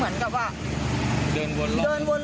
แล้วตามหายาดของแม่ลูกคู่นี้